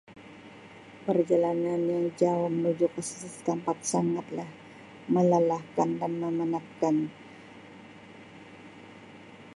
Perjalanan yang jauh menuju ke sesesuatu tempat sangatlah melalahkan dan memenatkan.